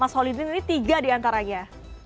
mas solidin ini tiga di antaranya